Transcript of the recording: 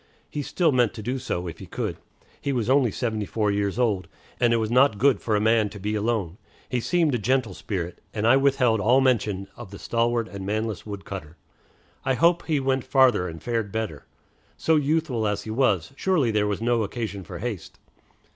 He still meant to do so, if he could. He was only seventy four years old, and it was not good for a man to be alone. He seemed a gentle spirit, and I withheld all mention of the stalwart and manless wood cutter. I hope he went farther, and fared better. So youthful as he was, surely there was no occasion for haste.